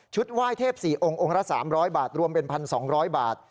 ไหว้เทพ๔องค์องค์ละ๓๐๐บาทรวมเป็น๑๒๐๐บาท